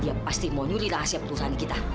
ya pasti mau nyuri rahasia perusahaan kita